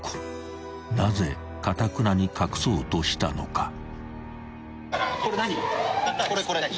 ［なぜかたくなに隠そうとしたのか］